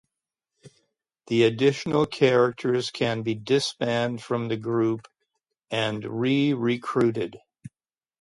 The additional characters can be disbanded from the group and re-recruited.